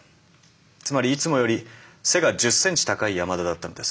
つまりいつもより背が１０センチ高い山田だったのです。